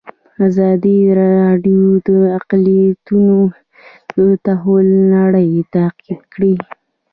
ازادي راډیو د اقلیتونه د تحول لړۍ تعقیب کړې.